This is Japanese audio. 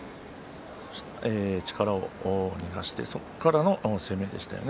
力を逃がしてそこからの攻めでしたね